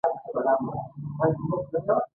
تواب وچې سترګې ورته نيولې وې…